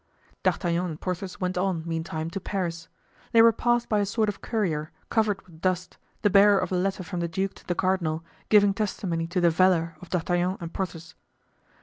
D'Artagnan and Porthos went on, meantime, to Paris. They were passed by a sort of courier, covered with dust, the bearer of a letter from the duke to the cardinal, giving testimony to the valor of D'Artagnan and Porthos.